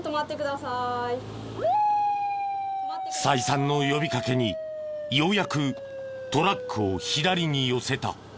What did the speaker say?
再三の呼びかけにようやくトラックを左に寄せた。